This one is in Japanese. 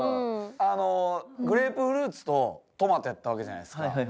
あのグレープフルーツとトマトやったわけじゃないですか。